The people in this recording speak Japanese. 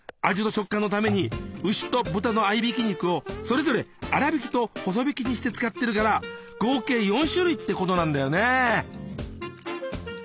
味と食感のために牛と豚の合いびき肉をそれぞれ粗びきと細びきにして使ってるから合計４種類ってことなんだよね。